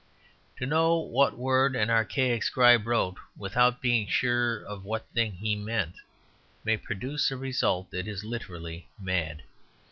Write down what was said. To know what word an archaic scribe wrote without being sure of what thing he meant, may produce a result that is literally mad.